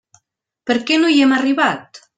Per què no hi hem arribat?